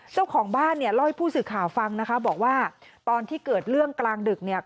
เจ้าของบ้านเนี่ยเล่าให้ผู้สื่อข่าวฟังนะคะบอกว่าตอนที่เกิดเรื่องกลางดึกเนี่ย